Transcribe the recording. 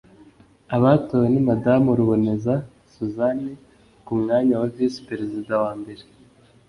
Abatowe ni Madamu Ruboneza Suzanne ku mwanya wa Visi Perezida wa mbere